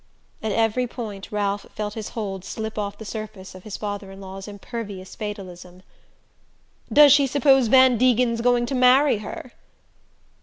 At every point Ralph felt his hold slip off the surface of his father in law's impervious fatalism. "Does she suppose Van Degen's going to marry her?"